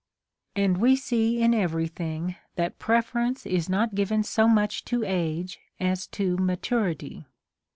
* And we see in every thing that preference is not given so much to age as to maturity.